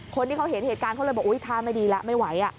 คนที่เขาเห็นเหตุการณ์เขาเลยบอกอุ๊ยท่าไม่ดีแล้วไม่ไหว